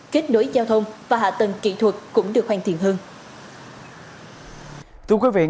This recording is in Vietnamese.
kết nối giao thông và hạ tầng kỹ thuật cũng được hoàn thiện hơn